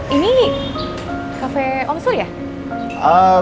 ini cafe om sul ya